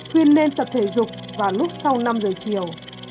khuyên nên tập thể dục và lúc sau năm giờ chiều